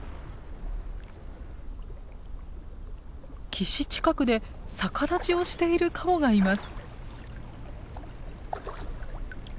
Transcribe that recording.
岸近くで逆立ちをしているカモがいます。